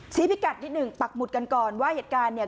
พิกัดนิดหนึ่งปักหมุดกันก่อนว่าเหตุการณ์เนี่ย